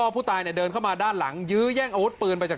ผู้ตายเดินเข้ามาด้านหลังยื้อแย่งอาวุธปืนไปจาก